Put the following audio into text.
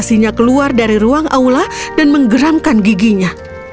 tidak ada mana yang baiknya